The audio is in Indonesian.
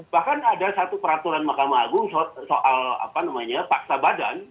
bahkan ada satu peraturan mahkamah agung soal paksa badan